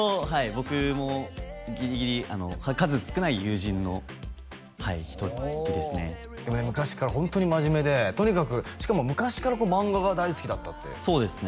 僕もギリギリ数少ない友人の人ですねでも昔からホントに真面目でとにかくしかも昔から漫画が大好きだったってそうですね